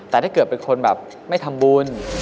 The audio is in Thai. แต่ถ้าเกิดเป็นคนแบบไม่ทำบุญ